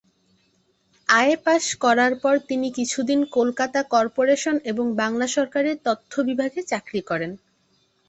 IA pass করার পর তিনি কিছুদিন কলকাতা করপোরেশন এবং বাংলা সরকারের তথ্য বিভাগে চাকরি করেন।